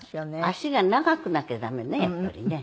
足が長くなきゃ駄目ねやっぱりね。